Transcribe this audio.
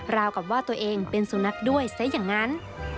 ราวกับว่าตัวเองเป็นสุนัขด้วยซะอย่างนั้น